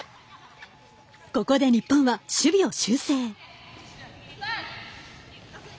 ここで日本は守備を修正。